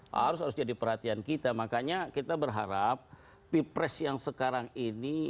harus harus jadi perhatian kita makanya kita berharap pilpres yang sekarang ini